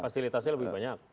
fasilitasnya lebih banyak